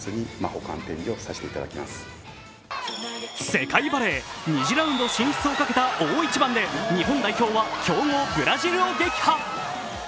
世界バレー、２次ラウンド進出をかけた大一番で日本代表は強豪・ブラジルを撃破。